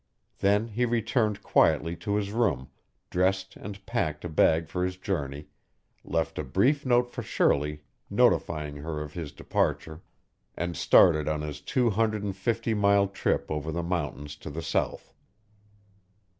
Then he returned quietly to his room, dressed and packed a bag for his journey, left a brief note for Shirley notifying her of his departure, and started on his two hundred and fifty mile trip over the mountains to the south.